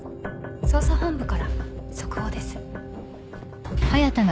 捜査本部から速報です。